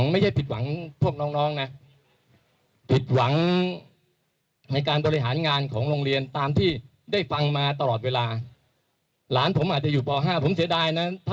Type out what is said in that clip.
มีเพลงที่เกี่ยวกับภูมิวินัยเยอะแยะมาก